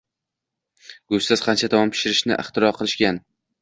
Go`shtsiz qancha taom pishirishni ixtiro qilishgan